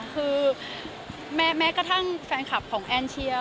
คือแม้กระทั่งแฟนคลับของแอนเชียร์